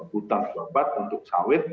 hutan sobat untuk sawit